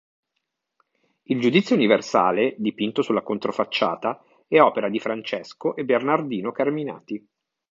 Il "Giudizio Universale", dipinto sulla controfacciata, è opera di Francesco e Bernardino Carminati.